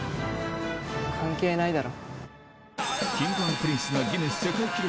関係ないだろ。